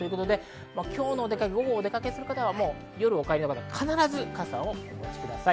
今日のお出かけ、午後お出かけする方は必ず傘をお持ちください。